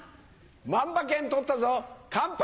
万馬券取ったぞ乾杯！